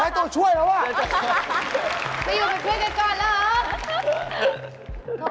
หนึ่งคนสายตัวชื้อยเหรอว่ะ